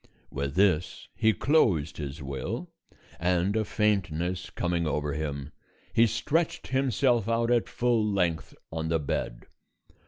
With this he closed his will, and a faintness coming over him, he stretched himself out at full length on the bed.